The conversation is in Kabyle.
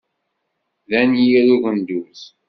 D anyir ugenduz.